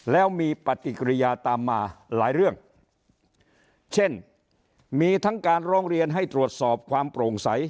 แล้วมีปฏิกิริยาตามมาหลายเรื่องเช่นมีทั้งการร้องเรียนให้ตรวจสอบความโปร่งใส